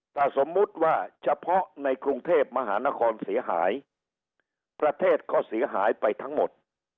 ถ้าสมมุติว่าเฉพาะในกรุงเทพมหานครเสียหายประเทศก็เสียหายไปทั้งหมด